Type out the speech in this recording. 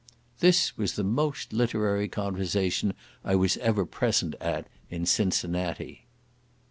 This was the most literary conversation I was ever present at in Cincinnati.